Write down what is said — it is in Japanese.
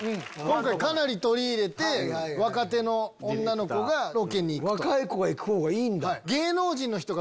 今回かなり取り入れて若手の女の子がロケに行く。